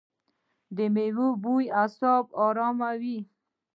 د میوو بوی اعصاب اراموي.